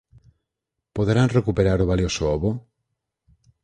Poderán recuperar o valioso ovo?